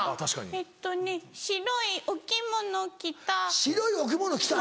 えっとね白いお着物着た。